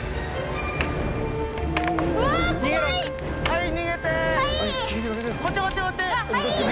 はい！